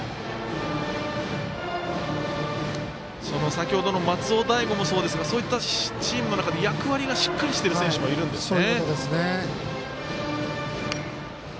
先ほどの松尾大悟もそうですがそういったチームの中で役割がはっきりしている人がいるんですね。